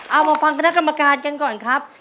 เอามาฟังคณะกรรมการกันก่อนครับ